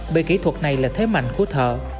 bởi kỹ thuật này là thế mạnh của thợ